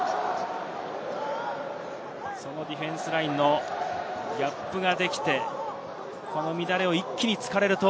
そのディフェンスラインのギャップができて、この乱れを一気に突かれると。